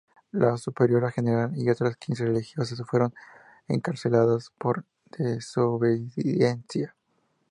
La superiora general y otras quince religiosas fueron encarceladas por desobediencia.